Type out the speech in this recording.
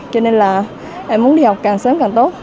cho nên là em muốn đi học càng sớm càng tốt